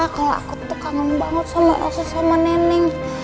kalau aku tuh kangen banget sama elsa sama neneng